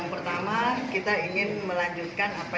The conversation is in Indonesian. yang pertama adalah kualisi kebangkitan indonesia raya tingkat nasional